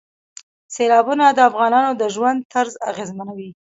سیلابونه د افغانانو د ژوند طرز اغېزمنوي.